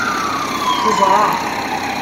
Teẓra.